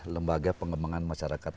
lembaga pengembangan masyarakat